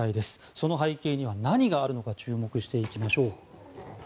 その背景には何があるのか注目していきましょう。